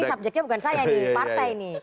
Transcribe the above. ini subjeknya bukan saya nih partai ini